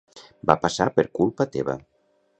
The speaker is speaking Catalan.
Va passar per culpa teva.